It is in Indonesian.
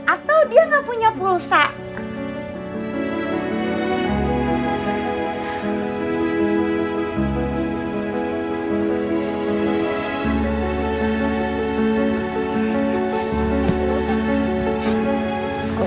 atau dia mau ke kantor